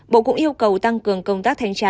bộ cũng yêu cầu tăng cường công tác thanh tra